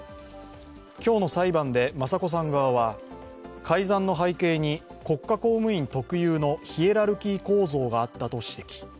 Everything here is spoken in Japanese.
今日の裁判で雅子さん側は、改ざんの背景に国家公務員特有のヒエラルキー構造があったと指摘。